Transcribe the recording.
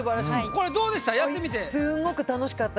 これどうでした？